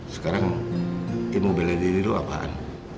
sekarang emu bela diri lo apaan